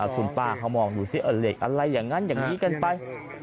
คุณป้าเขามองดูซิเหล็กอะไรอย่างนั้นอย่างนี้กันไป